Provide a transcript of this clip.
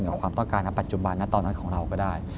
ความต้องการณปัจจุบันนะตอนนั้นของเราก็ได้